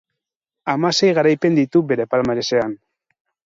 Hamasei garaipen ditu bere palmaresean.